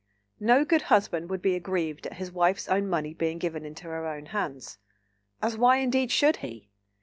No good husband would be aggrieved at his wife's own money being given into her own hands. As why indeed should he?